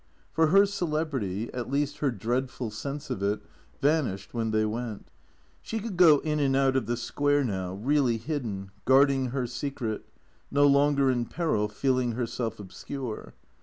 For her celebrity, at least her dreadful sense of it, vanished when they went. She could go in and out of the Square now, really hidden, guarding her secret, no longer in peril, feeling herself obscure.